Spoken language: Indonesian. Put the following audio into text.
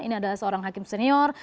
ini adalah seorang hakim senior